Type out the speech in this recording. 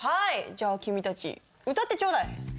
じゃあ君たち歌ってちょうだい。